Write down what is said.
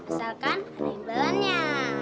asalkan ada imbalannya